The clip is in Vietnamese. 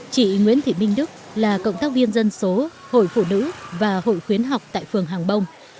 chị nguyễn thị minh đức là cộng tác viên dân số hội phụ nữ và hội khuyến học tại phường hàng bông